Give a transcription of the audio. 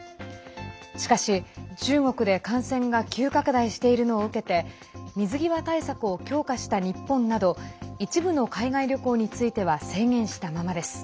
しかし、中国で感染が急拡大しているのを受けて水際対策を強化した日本など一部の海外旅行については制限したままです。